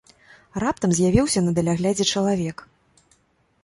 Раптам з'явіўся на даляглядзе чалавек.